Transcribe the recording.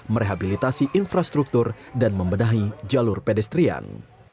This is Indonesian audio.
merehabilitasi infrastruktur dan membenahi jalur pedestrian